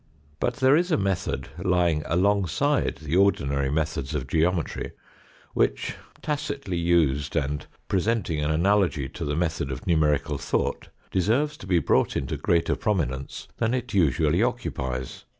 But there is a method lying alongside the ordinary methods of geometry, which tacitly used and presenting an analogy to the method of numerical thought deserves to be brought into greater prominence than it usually occupies.